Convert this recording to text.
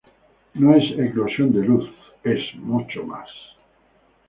No es eclosión de luz, ¡es mucho más!